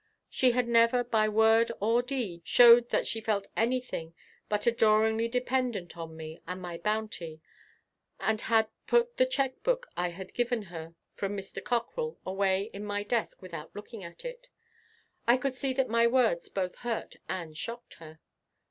She had never by word or deed showed that she felt anything but adoringly dependent on me and my bounty, and had put the check book I had given her from Mr. Cockrell away in my desk without looking at it. I could see that my words both hurt and shocked her.